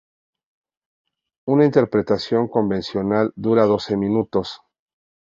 Una interpretación convencional dura doce minutos.